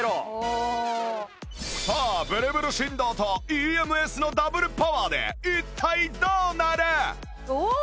さあブルブル振動と ＥＭＳ のダブルパワーで一体どうなる？